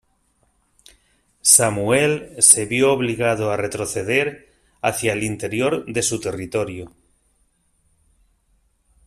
Samuel se vio obligado a retroceder hacia el interior de su territorio.